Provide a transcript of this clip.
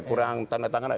kurang tanda tangan